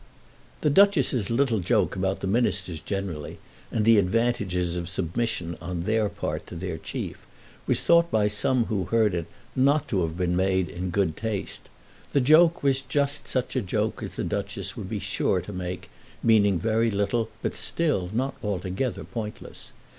The Duchess's little joke about the Ministers generally, and the advantages of submission on their part to their chief, was thought by some who heard it not to have been made in good taste. The joke was just such a joke as the Duchess would be sure to make, meaning very little but still not altogether pointless.